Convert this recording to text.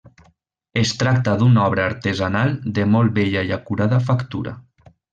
Es tracta d'una obra artesanal de molt bella i acurada factura.